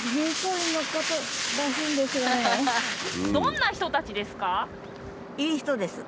どんな人たちですか？